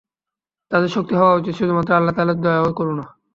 তাদের শক্তি হওয়া উচিত শুধুমাত্র আল্লাহ তা’আলার দয়া ও করুণা।